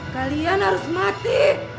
kalian harus mati